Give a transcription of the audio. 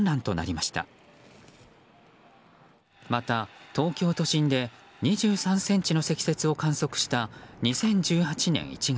また、東京都心で２３ｃｍの積雪を観測した２０１８年１月。